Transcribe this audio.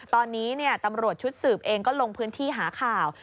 ตอนนี้ตำรวจชุดสืบเองก็ลงพื้นที่หาข่าว